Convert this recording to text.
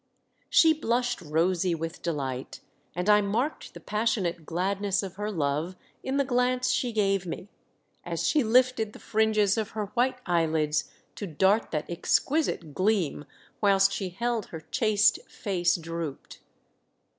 She blushed rosy with delight, and I marked the passionate gladness of her love m the glance she gave me, as she lifted the fringes of her white eye lids to dart that exquisite gleam, whilst she held her chaste face drooped.